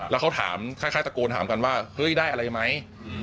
แล้วเขาถามคล้ายตะโกนถามกันว่าเฮ้ยได้อะไรไหม